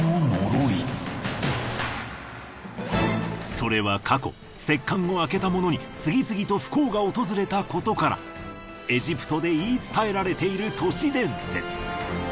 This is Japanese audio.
それは過去石棺を開けた者に次々と不幸が訪れたことからエジプトで言い伝えられている都市伝説。